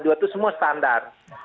itu semua standar